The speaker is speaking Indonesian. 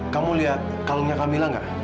kamu liat kak lumia kak mila gak